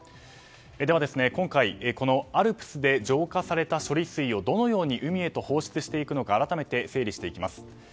では今回、このＡＬＰＳで浄化された処理水をどのように海へと放出していくのか改めて整理していきます。